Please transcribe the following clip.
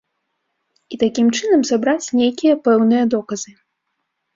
І такім чынам сабраць нейкія пэўныя доказы.